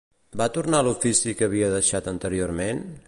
Va tornar a l'ofici que havia deixat anteriorment?